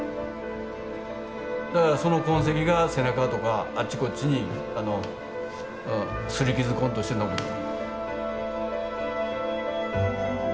だからその痕跡が背中とかあちこちに擦り傷痕として残ってる。